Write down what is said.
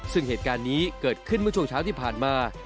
ซึ่งเหตุการณ์นี้เกิดขึ้นเมื่อช่วงเช้าที่ผ่านมา